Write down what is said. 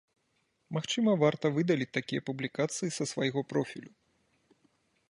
Магчыма, варта выдаліць такія публікацыі са свайго профілю.